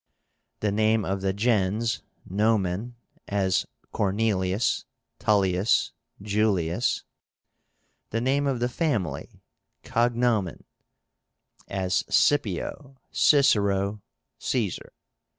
The name of the gens (nomen), as Cornelius, Tullius, Julius. The name of the family (cognómen), as Scipio, Cicero, Caesar.